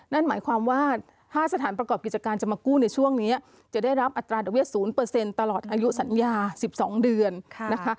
นั่นหมายความว่าถ้าสถานประกอบกิจการจะมากู้ในช่วงนี้จะได้รับอัตราดอกเบี้๐ตลอดอายุสัญญา๑๒เดือนนะคะ